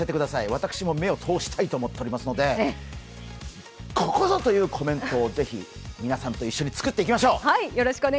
私も目を通したいと思っておりますのでここぞというコメントをぜひ皆さんと一緒に作っていきましょう。